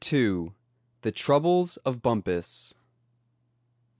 THE TROUBLES OF BUMPUS.